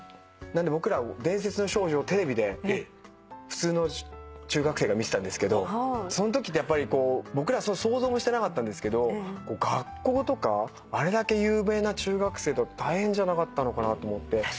なんで僕ら『伝説の少女』をテレビで普通の中学生が見てたんですけどそのときってやっぱり僕ら想像もしてなかったんですけど学校とかあれだけ有名な中学生だと大変じゃなかったのかなと思って。